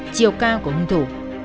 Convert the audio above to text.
chiều cao của hương thủ